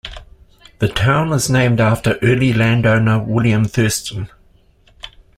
The town is named after early landowner William Thurston.